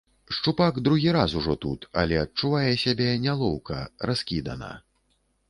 Шчупак другі раз ужо тут, але адчувае сябе нялоўка, раскідана.